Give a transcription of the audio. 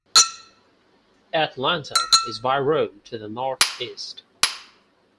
Atlanta is by road to the northeast.